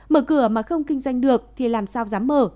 mở cửa mà không kinh doanh được thì làm sao dám mở